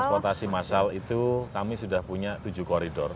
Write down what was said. transportasi massal itu kami sudah punya tujuh koridor